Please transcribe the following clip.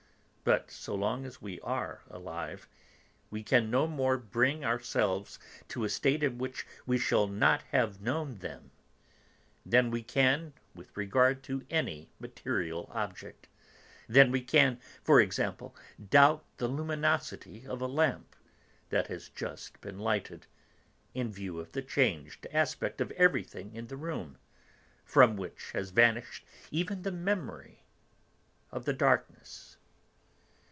But so long as we are alive, we can no more bring ourselves to a state in which we shall not have known them than we can with regard to any material object, than we can, for example, doubt the luminosity of a lamp that has just been lighted, in view of the changed aspect of everything in the room, from which has vanished even the memory of the darkness.